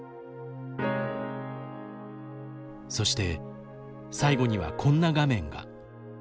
そして、最後にはこんな画面が。